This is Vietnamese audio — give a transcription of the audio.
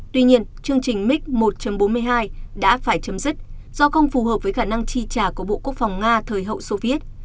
tuy nhiên chương trình mic một bốn mươi hai đã phải chấm dứt do không phù hợp với khả năng chi trả của bộ quốc phòng nga thời hậu soviet